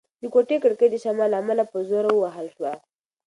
د کوټې کړکۍ د شمال له امله په زوره ووهل شوه.